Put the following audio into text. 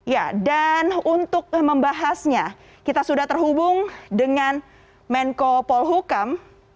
ya dan untuk membahasnya kita sudah terhubung dengan menko polhukam